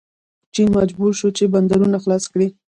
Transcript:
چین مجبور شو چې بندرونه خلاص کړي.